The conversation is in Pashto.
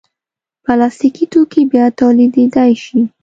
پلاستيکي توکي بیا تولیدېدای شي.